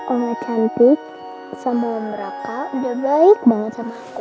oma cantik sama mereka udah baik banget sama aku